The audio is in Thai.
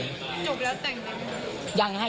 จบแล้วแต่งกัน